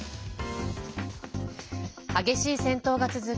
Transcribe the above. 激しい戦闘が続く